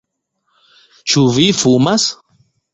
Ĉu vi fumas?